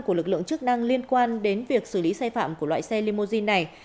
của lực lượng chức năng liên quan đến việc xử lý sai phạm của loại xe limousine này